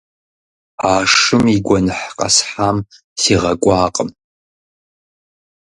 А шым и гуэныхь къэсхьам сигъэкӀуакъым.